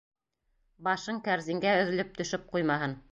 Башың кәрзингә өҙөлөп төшөп ҡуймаһын.